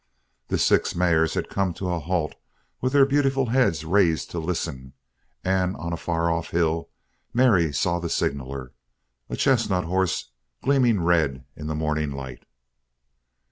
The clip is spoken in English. The six mares had come to a halt with their beautiful heads raised to listen, and on a far off hill, Mary saw the signaler a chestnut horse gleaming red in the morning light.